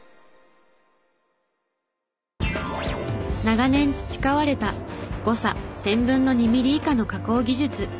長年培われた誤差１０００分の２ミリ以下の加工技術。